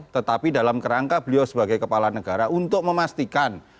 tetapi dalam kerangka beliau sebagai kepala negara untuk memastikan